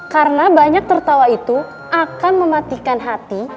karena banyak tertawa itu akan mematikan hati